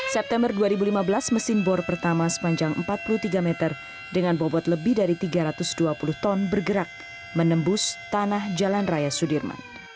september dua ribu lima belas mesin bor pertama sepanjang empat puluh tiga meter dengan bobot lebih dari tiga ratus dua puluh ton bergerak menembus tanah jalan raya sudirman